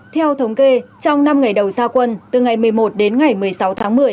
theo thống kê trong năm ngày đầu gia quân từ ngày một mươi một đến ngày một mươi sáu tháng một mươi